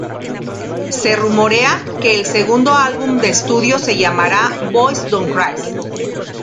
Se rumorea que el segundo álbum de estudio se llamará "Boys Don't Cry".